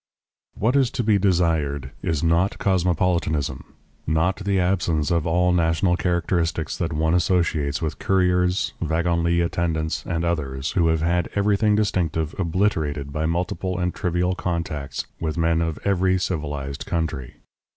What is to be desired is not cosmopolitanism, not the absence of all national characteristics that one associates with couriers, wagon lit attendants, and others, who have had everything distinctive obliterated by multiple and trivial contacts with men of every civilized country.